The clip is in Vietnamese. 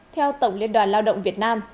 theo tổng liên đoàn lao động việt nam